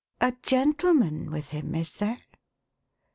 A gentleman with him, is there